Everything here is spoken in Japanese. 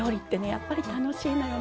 やっぱり楽しいのよね。